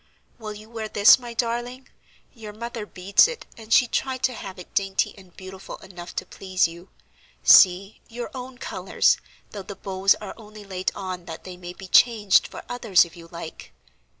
"Will you wear this, my darling? Your mother sends it, and she tried to have it dainty and beautiful enough to please you. See, your own colors, though the bows are only laid on that they may be changed for others if you like."